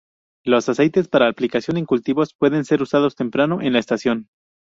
Los aceites para aplicación en cultivos pueden ser usados temprano en la estación.